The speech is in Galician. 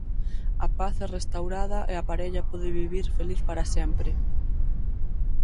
A paz é restaurada e a parella pode vivir feliz para sempre.